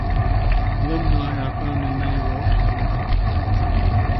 Alumni are found in many walks of life.